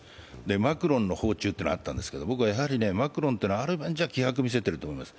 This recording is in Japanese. マクロンの訪中っていうのがあるけど、マクロンっていうのはある分じゃ、気迫を見せていると思います。